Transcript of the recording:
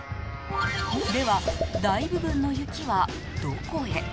では、大部分の雪はどこへ？